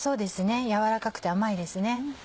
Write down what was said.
柔らかくて甘いですね。